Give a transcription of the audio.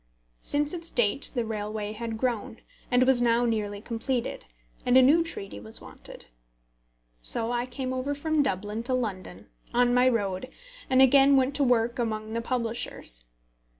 Since its date the railway had grown, and was now nearly completed, and a new treaty was wanted. So I came over from Dublin to London, on my road, and again went to work among the publishers.